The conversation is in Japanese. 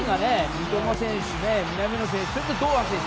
三笘選手、南野選手、堂安選手。